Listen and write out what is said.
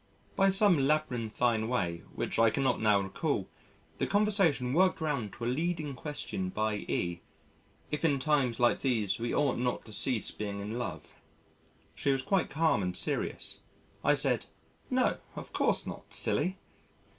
By some labyrinthine way which I cannot now recall, the conversation worked round to a leading question by E. if in times like these we ought not to cease being in love? She was quite calm and serious. I said "No, of course not, silly."